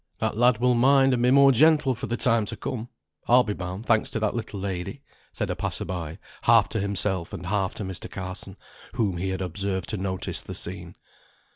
"That lad will mind, and be more gentle for the time to come, I'll be bound, thanks to that little lady," said a passer by, half to himself, and half to Mr. Carson, whom he had observed to notice the scene.